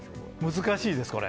難しいです、これ。